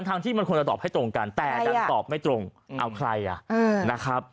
ทั้งที่มันควรจะตอบให้ตรงกันแต่ดันตอบไม่ตรงเอาใครอ่ะนะครับ